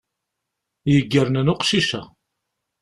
Yeggernen uqcic-a.